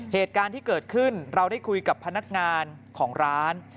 เหตุการณ์ที่เกิดขึ้นเราได้คุยกับพนักงานของร้าน